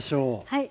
はい。